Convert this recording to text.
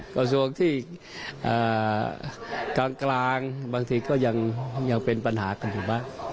กระทรวงที่กลางบางทีก็ยังเป็นปัญหากันอยู่บ้าง